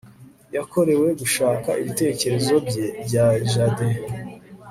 Yakorewe gushaka ibitekerezo bye bya jade